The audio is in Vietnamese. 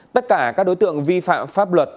tất cả các đối tượng vi phạm pháp luật